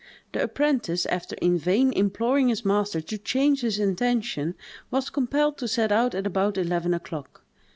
The apprentice, after in vain imploring his master to change his intention, was compelled to set out at about 11 o'clock.